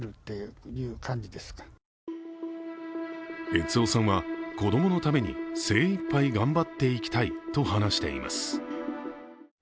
悦雄さんは、子供のために精いっぱい頑張っていきたいと話しています。